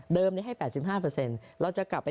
เดิมนี้ให้๘๕